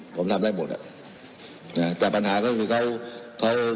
ผมทำได้หมดอ่ะนะแต่ปัญหาก็คือเขาเขา